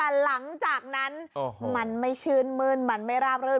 แต่หลังจากนั้นมันไม่ชื่นมื้นมันไม่ราบรื่น